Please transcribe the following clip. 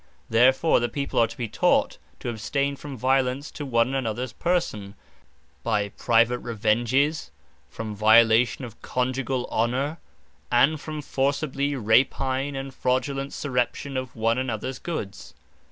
Therefore the People are to be taught, to abstain from violence to one anothers person, by private revenges; from violation of conjugall honour; and from forcibly rapine, and fraudulent surreption of one anothers goods.